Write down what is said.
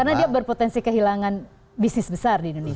karena dia berpotensi kehilangan bisnis besar di indonesia